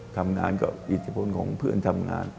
ทำงานกับอิทธิพลของเพื่อนทำงาน